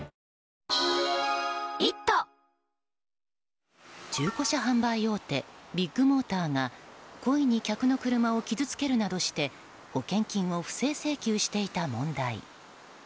わかるぞ中古車販売大手ビッグモーターが故意に客の車を傷つけるなどして保険金を不正請求していた問題。